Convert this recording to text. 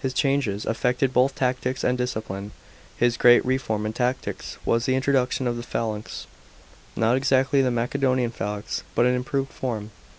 His changes affected both tactics and discipline. His great reform in tactics was the introduction of the phalanx, not exactly the Macedonian phalanx, but an improved form.